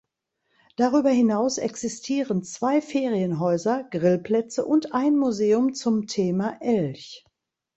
Darüber hinaus existieren zwei Ferienhäuser, Grillplätze und ein Museum zum Thema Elch.